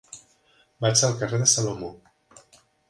Vaig al carrer de Salomó.